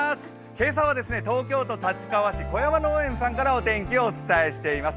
今朝は東京都立川市、小山農園さんからお天気をお伝えしています。